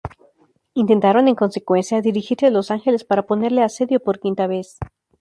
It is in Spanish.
Intentaron en consecuencia dirigirse a Los Angeles para ponerle asedio por quinta vez.